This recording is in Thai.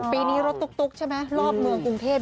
ปีนี้รถตุ๊กใช่ไหมรอบเมืองกรุงเทพ